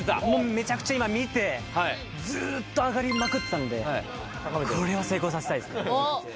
めちゃくちゃ今見てずーっと上がりまくってたのでこれは成功させたいですね